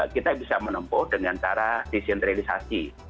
kita bisa menempuh dengan cara desentralisasi